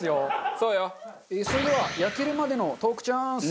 それでは焼けるまでのトークチャンス！